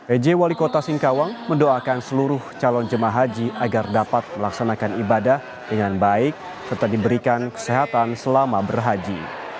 ej wali kota singkawang mendoakan seluruh calon jemaah haji agar dapat melaksanakan ibadah dengan baik serta diberikan kesehatan selama berhaji